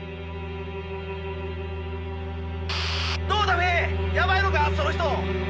どうだフィーやばいのかその人。